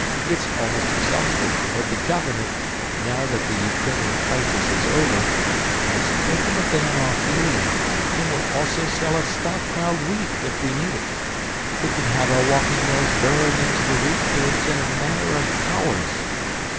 It's almost exhausted, but the government, now that the Ukrainian crisis is over, has taken the ban off helium and will also sell us stockpiled wheat if we need it. We can have our walking mills burrowing into the wheat caves in a matter of hours!